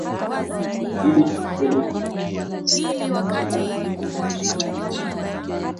Ili tufikie lengo letu mwaka wa elfu mbili ishirini na tatu ushindi wa kishindo.